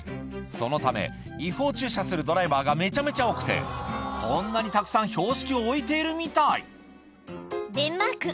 そのため違法駐車するドライバーがめちゃめちゃ多くてこんなにたくさん標識を置いているみたいデンマーク